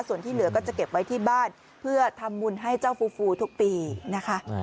ส่วนที่เหลือก็จะเก็บไว้ที่บ้านเพื่อทำบุญให้เจ้าฟูฟูทุกปีนะคะ